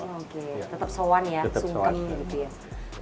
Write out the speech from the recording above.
oke tetap sowan ya sungken gitu ya